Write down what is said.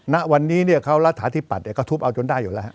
ณวันนี้เขารัฐาธิปัตย์ก็ทุบเอาจนได้อยู่แล้ว